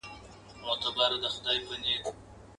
یوه ورځ به په محفل کي، یاران وي، او زه به نه یم.